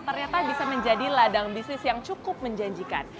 ternyata bisa menjadi ladang bisnis yang cukup menjanjikan